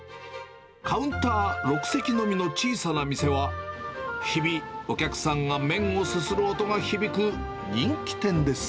カウンター６席のみの小さな店は、日々、お客さんが麺をすする音が響く人気店です。